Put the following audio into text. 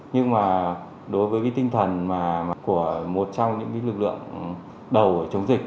nhưng mà đối với cái tinh thần của một trong những lực lượng đầu chống dịch